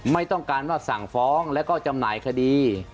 ไม่ต้องการว่าสั่งฟ้องแล้วก็จำหน่ายคดี